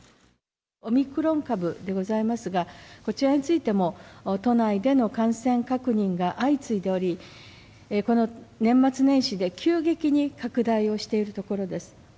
オミクロン株でございますが、こちらについても、都内での感染確認が相次いでおり、この年末年始で急激に拡大をしているところです。